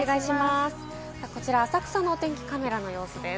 浅草のお天気カメラの様子です。